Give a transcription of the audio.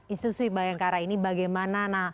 institusi bayangkara ini bagaimana